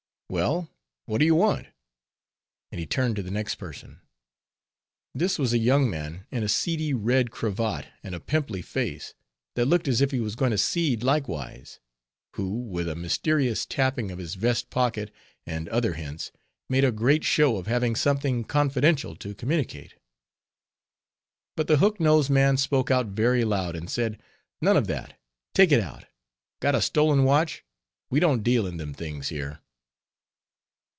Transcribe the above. "Well, what do you want?" and he turned to the next person. This was a young man in a seedy red cravat and a pimply face, that looked as if it was going to seed likewise, who, with a mysterious tapping of his vest pocket and other hints, made a great show of having something confidential to communicate. But the hook nosed man spoke out very loud, and said, "None of that; take it out. Got a stolen watch? We don't deal in them things here."